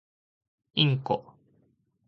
インコ